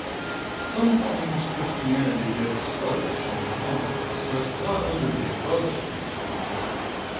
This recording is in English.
Sometimes Christianity gets sluggish and comatose, but not under the above circumstances.